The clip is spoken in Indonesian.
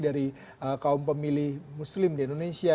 dari kaum pemilih muslim di indonesia